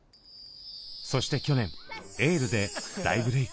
そして去年「エール」で大ブレーク。